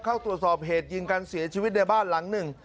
เข้าตรวจสอบเหตุยิงกันเสียชีวิตในบ้านหลังหนึ่ง